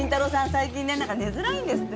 最近なんか寝づらいんですって。